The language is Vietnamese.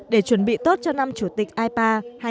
để chuẩn bị tốt cho năm chủ tịch ipa hai nghìn hai mươi